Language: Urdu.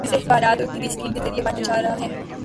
جسے اخبارات اور ٹی وی سکرین کے ذریعے بانٹا جا رہا ہے۔